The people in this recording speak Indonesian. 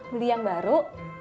beli yang baru